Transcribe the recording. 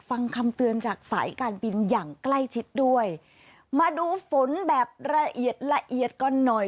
ฟังคำเตือนจากสายการบินอย่างใกล้ชิดด้วยมาดูฝนแบบละเอียดละเอียดก่อนหน่อย